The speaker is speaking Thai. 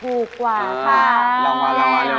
ถูกกว่าครับ